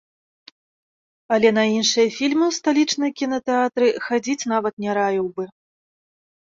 Але на іншыя фільмы ў сталічныя кінатэатры хадзіць нават не раіў бы.